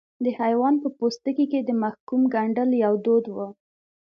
د حیوان په پوستکي کې د محکوم ګنډل یو دود و.